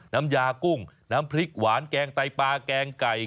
น้ำยากุ้งน้ำพริกหวานแกงไตปลาแกงไก่